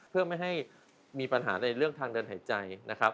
เพื่อไม่ให้มีปัญหาในเรื่องทางเดินหายใจนะครับ